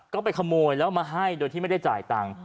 ก็ไปขโมยแล้วมาให้โดยที่ไม่ได้จ่ายตังค์